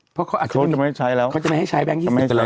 เพราะเขาอาจจะไม่ให้ใช้แบงค์๒๐แล้ว